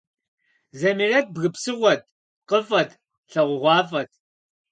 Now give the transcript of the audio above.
Замирэт бгы псыгъуэт, пкъыфӏэт, лагъугъуафӏэт.